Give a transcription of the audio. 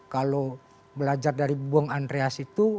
kalau belajar dari bung andreas itu